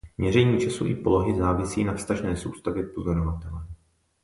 Měření času i polohy závisí na vztažné soustavě pozorovatele.